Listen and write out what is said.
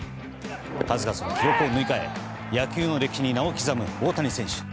数々の記録を塗り替え野球の歴史に名を刻む大谷選手。